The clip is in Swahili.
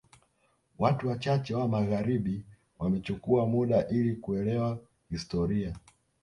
Watu wachache wa magharibi wamechukua muda ili kuelewa historia